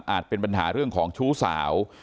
เป็นปัญหาเรื่องของชู้สาว